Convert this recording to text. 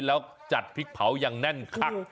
แล้วจัดพริกเผาอย่างแน่นคัก